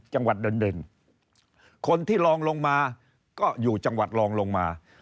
จังหวัดเด่นคนที่ลองลงมาก็อยู่จังหวัดลองลงมา